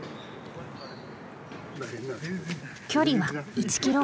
距離は１ｋｍほど。